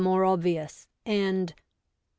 39 more obvious, and .